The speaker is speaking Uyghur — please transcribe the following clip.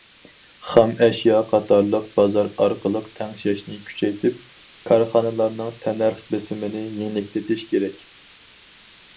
خام ئەشيا قاتارلىق بازار ئارقىلىق تەڭشەشنى كۈچەيتىپ، كارخانىلارنىڭ تەننەرخ بېسىمىنى يېنىكلىتىش كېرەك.